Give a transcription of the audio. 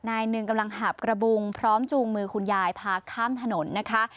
นายหนึ่งกำลังหาบกระบุงพร้อมจูงมือคุณยายพาข้ามถนนนะคะ